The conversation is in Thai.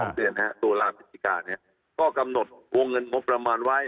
ฮะเดือนนี้ตัวราชพิธีการเนี้ยก็กำหนดวงเงินมบประมาณไว้